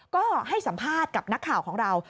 ก็ให้สัมภาษณ์กับนักข่าวของเรา